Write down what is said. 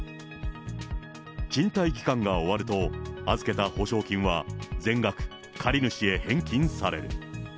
賃貸期間が終わると、預けた保証金は全額借り主へ返金される。